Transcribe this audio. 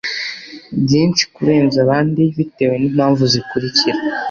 byinshi kurenza abandi bitewe n'impamvu zikurikira